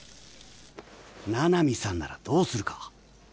七海さんならどうするか。